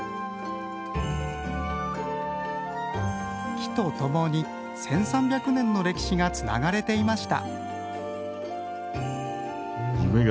木とともに１，３００年の歴史がつながれていました。